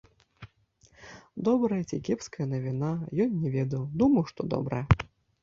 Добрая ці кепская навіна, ён не ведаў, думаў, што добрая.